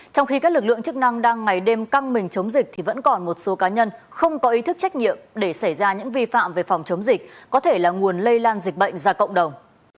trong khi các lực lượng chức năng đang ngày đêm căng mình chống dịch thì vẫn còn một số cá nhân không có ý thức trách nhiệm để xảy ra những vi phạm về phòng chống dịch có thể là nguồn lây lan dịch bệnh ra cộng đồng